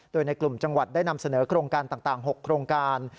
โดยในกลุ่มจังหวัดได้นำเสนอโครงการต่าง๖โครงการ